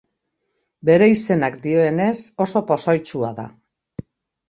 Bere izenak dioenez oso pozoitsua da.